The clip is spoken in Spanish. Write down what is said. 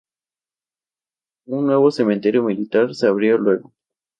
Un nuevo cementerio militar se abrió luego.